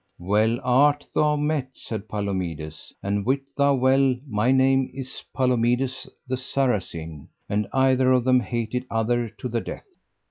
Well art thou met, said Palomides, and wit thou well my name is Palomides the Saracen; and either of them hated other to the death.